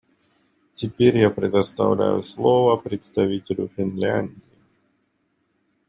Теперь я предоставляю слово представителю Финляндии.